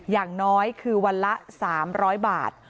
อย่างน้อยคือวันละ๓๐๐บาท